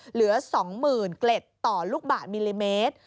เหลือ๒๐๐๐เกล็ดต่อลูกบาทมิลลิเมตร